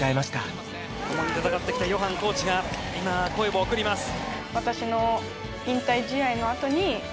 共に戦ってきたヨハンコーチが今声を送ります。